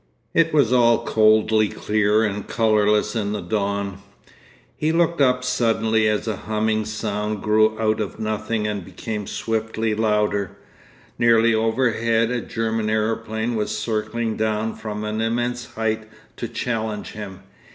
It was all coldly clear and colourless in the dawn. He looked up suddenly as a humming sound grew out of nothing and became swiftly louder. Nearly overhead a German aeroplane was circling down from an immense height to challenge him.